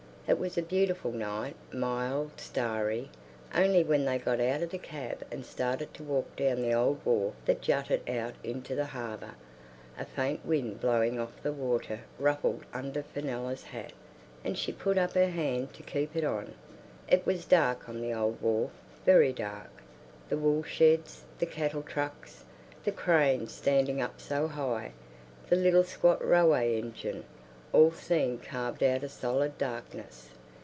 It was a beautiful night, mild, starry, only when they got out of the cab and started to walk down the Old Wharf that jutted out into the harbour, a faint wind blowing off the water ruffled under Fenella's hat, and she put up her hand to keep it on. It was dark on the Old Wharf, very dark; the wool sheds, the cattle trucks, the cranes standing up so high, the little squat railway engine, all seemed carved out of solid darkness.